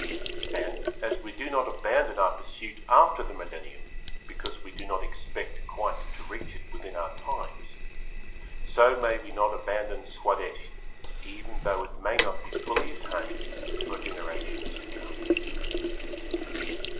And, as we do not abandon our pursuit after the millennium, because we do not expect quite to reach it within our times, so may we not abandon Swadeshi even though it may not be fully attained for generations to come.